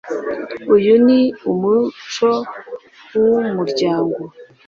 Uyu ni umuco wumuryango